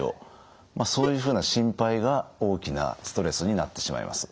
そういうふうな心配が大きなストレスになってしまいます。